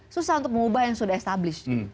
susah untuk mengubah yang sudah established